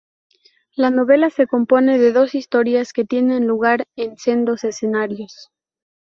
La novela se compone de dos historias que tienen lugar en sendos escenarios.